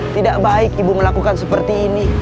tidak baik ibu melakukan seperti ini